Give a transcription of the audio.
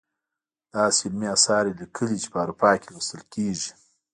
داسې علمي اثار یې لیکلي چې په اروپا کې لوستل کیږي.